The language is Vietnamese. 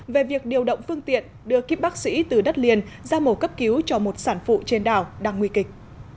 về việc điều động phương tiện đưa kiếp bác sĩ từ đất liền ra mổ cấp cứu cho một sản phụ trên đảo đang nguy kịch